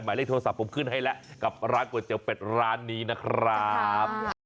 หมายเลขโทรศัพท์ผมขึ้นให้แล้วกับร้านก๋วยเตี๋ยเป็ดร้านนี้นะครับ